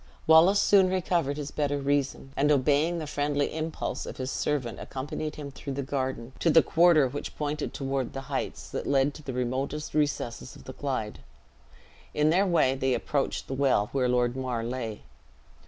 Wallace soon recovered his better reason, and obeying the friendly impulse of his servant, accompanied him through the garden, to the quarter which pointed toward the heights that led to the remotest recesses of the Clyde. In their way they approached the well where Lord Mar lay.